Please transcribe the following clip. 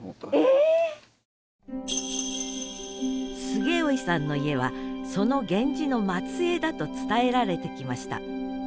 菅生さんの家はその源氏の末えいだと伝えられてきました。